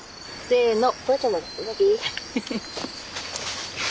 せの。